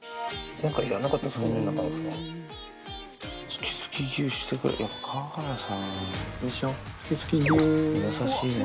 前回、やらなかったですもんね。